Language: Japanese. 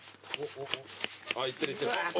あーいってるいってる。